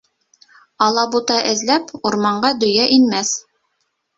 Алабута эҙләп, урманға дөйә инмәҫ.